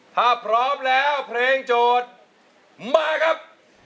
ถ้าพร้อมแล้วเพลงโจทย์มาครับ